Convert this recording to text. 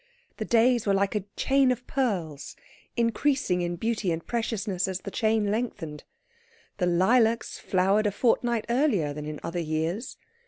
The days were like a chain of pearls, increasing in beauty and preciousness as the chain lengthened. The lilacs flowered a fortnight earlier than in other years.